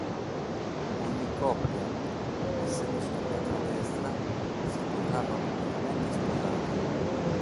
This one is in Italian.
Ogni coppia, essendo scambiata la destra, si proclama pubblicamente sposata.